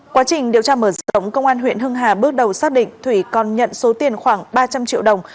quá trình điều tra mở rộng công an huyện hưng hà bước đầu xác định thủy còn nhận số tiền khoảng ba trăm linh triệu đồng